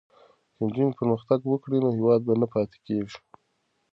که نجونې پرمختګ وکړي نو هیواد به نه پاتې کېږي.